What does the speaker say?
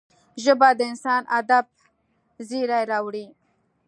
ژبه د انساني ادب زېری راوړي